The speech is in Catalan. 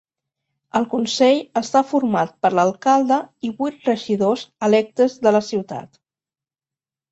El consell està format per l'alcalde i vuit regidors electes de la ciutat.